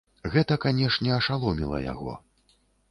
Гэта, канешне, ашаломіла яго.